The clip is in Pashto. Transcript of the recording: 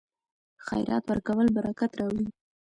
خیرات ورکول برکت راوړي.